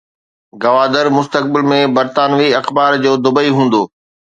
گوادر مستقبل ۾ برطانوي اخبار جو دبئي هوندو